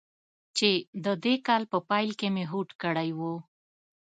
چې د دې کال په پیل کې مې هوډ کړی و.